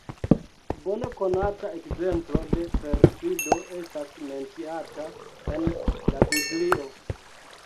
Bone konata ekzemplo de perfido estas menciata en la biblio.